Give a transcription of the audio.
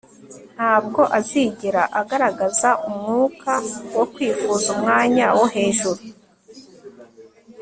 ntabwo azigera agaragaza umwuka wo kwifuza umwanya wo hejuru